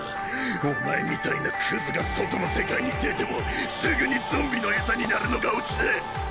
お前みたいなクズが外の世界に出てもすぐにゾンビの餌になるのがオチだ。